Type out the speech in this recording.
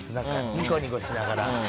ニコニコしながら。